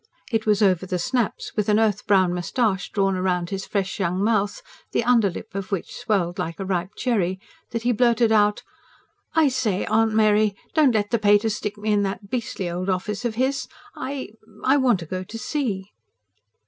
It was over the snaps, with an earth brown moustache drawn round his fresh young mouth, the underlip of which swelled like a ripe cherry, that he blurted out: "I say, Aunt Mary, DON'T let the pater stick me in that beastly old office of his. I ... I want to go to sea."